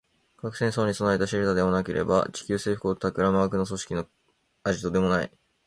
核戦争に備えたシェルターでもなければ、地球制服を企む悪の組織のアジトでもない